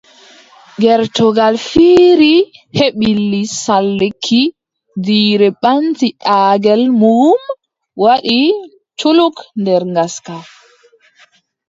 Gertogal fiiri heɓi lisal lekki! Jiire ɓaŋti daagel muum waɗi culuk nder ngaska!